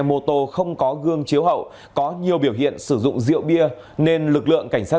mô tô không có gương chiếu hậu có nhiều biểu hiện sử dụng rượu bia nên lực lượng cảnh sát